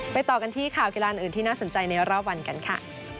ต่อกันที่ข่าวกีฬาอื่นที่น่าสนใจในรอบวันกันค่ะ